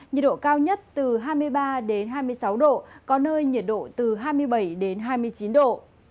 nhiệt độ cao nhất từ hai mươi ba hai mươi sáu độ có nơi nhiệt độ từ hai mươi bảy đến hai mươi chín độ